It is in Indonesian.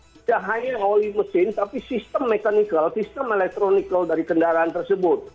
tidak hanya oli mesin tapi sistem mekanikal sistem elektronikal dari kendaraan tersebut